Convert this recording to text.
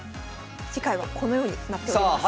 次回はこのようになっております。